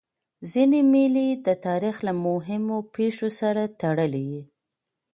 ځيني مېلې د تاریخ له مهمو پېښو سره تړلي يي.